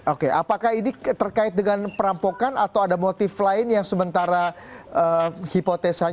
oke apakah ini terkait dengan perampokan atau ada motif lain yang sementara hipotesanya